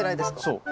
そう。